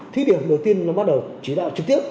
thí điểm đầu tiên là bắt đầu chỉ đạo trực tiếp